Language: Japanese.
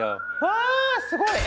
あすごい！